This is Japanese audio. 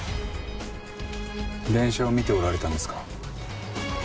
電車を見ておられたんですか？